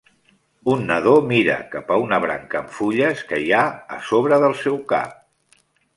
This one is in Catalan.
Un nadó mira cap a una branca amb fulles que hi ha a sobre del seu cap.